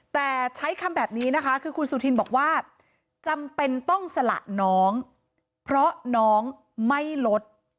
แต่ใช้คำแบบนี้นะคะคือคุณสุธินบอกว่าจำเป็นต้องสละน้องเพราะน้องไม่ลด